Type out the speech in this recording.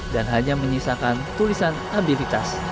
dan hanya menyisakan tulisan abilitas